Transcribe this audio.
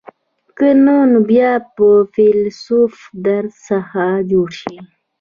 که نه نو بیا به فیلسوف در څخه جوړ شي.